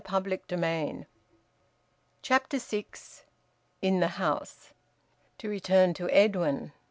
VOLUME ONE, CHAPTER SIX. IN THE HOUSE. To return to Edwin.